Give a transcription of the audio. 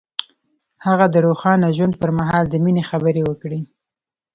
هغه د روښانه ژوند پر مهال د مینې خبرې وکړې.